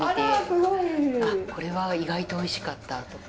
あっこれは意外とおいしかったとか。